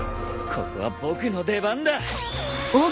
ここは僕の出番だ！